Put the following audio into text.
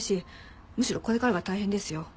むしろこれからが大変ですよ。